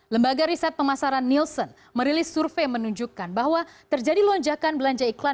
lembaga riset pemasaran nielsen merilis survei menunjukkan bahwa terjadi lonjakan belanja iklan